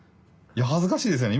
いや恥ずかしいですね。